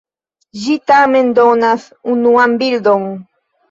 Ĝi tamen donas unuan bildon.